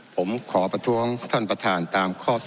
ผมขอประท้วงท่านประธานตามข้อ๒